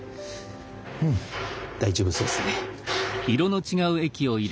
うん大丈夫そうですね。